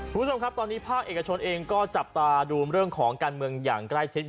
คุณผู้ชมครับตอนนี้ภาคเอกชนเองก็จับตาดูเรื่องของการเมืองอย่างใกล้ชิด